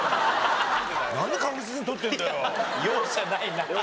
容赦ないな。